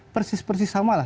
persis persis sama lah